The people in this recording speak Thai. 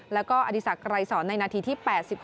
แล้วก็อดีศักดรายสอนในนาทีที่๘๑